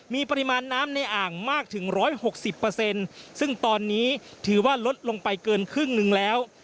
มีปริมาณน้ำในอ่างมากถึง๑๖๐ซึ่งตอนนี้ถือว่าลดลงไปเกินครึ่งหนึ่งแล้ว